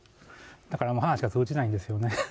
だからもう、話が通じないんですよね。